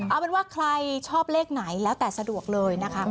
เอาเป็นว่าใครชอบเลขไหนแล้วแต่สะดวกเลยนะคะ